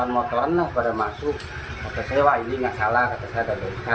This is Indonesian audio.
delapan motoran lah pada masuk motor sewa ini gak salah kata saya